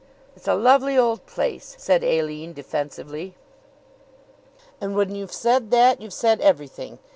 "It's a lovely old place," said Aline defensively. "And when you've said that you've said everything.